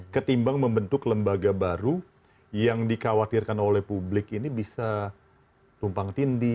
ketimbang membentuk lembaga baru yang dikhawatirkan oleh publik ini bisa tumpang tindih